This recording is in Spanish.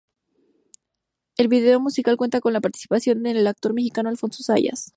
El video musical cuenta con la participación de el actor mexicano Alfonso Zayas.